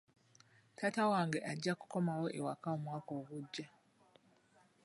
Taata wange ajja kukomawo ewaka omwaka ogujja.